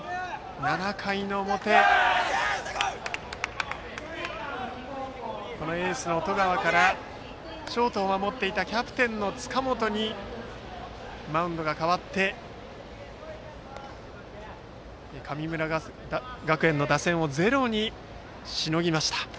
７回の表エースの十川からショートを守っていたキャプテンの塚本にピッチャーが代わって神村学園の打線をゼロにしのぎました。